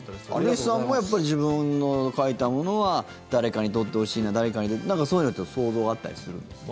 古市さんもやっぱり自分の書いたものは誰かに撮ってほしいな誰かに何かそういうのは想像あったりするんですか？